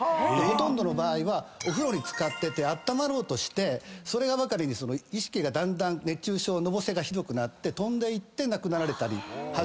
ほとんどの場合はお風呂に浸かっててあったまろうとしてそればかりに意識がだんだん熱中症のぼせがひどくなって飛んでいって亡くなられたり。